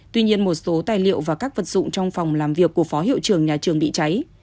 tuy nhiên một số tài liệu và các vật dụng trong phòng làm việc của phó hiệu trường nhà trường bị cháy